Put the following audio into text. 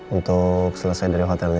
untuk selesai dari hotelnya